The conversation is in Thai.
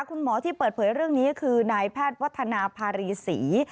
คุณหมอที่เปิดเผยเรื่องนี้คือนายแพทย์วัฒนาภารีศรี